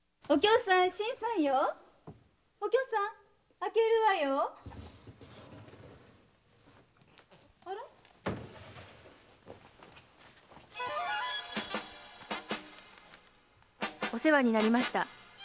「おせわになりました。